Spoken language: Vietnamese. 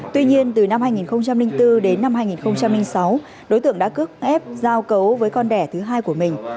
tuy nhiên từ năm hai nghìn bốn đến năm hai nghìn sáu đối tượng đã cướp ép giao cấu với con đẻ thứ hai của mình